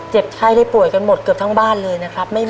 ไข้ได้ป่วยกันหมดเกือบทั้งบ้านเลยนะครับ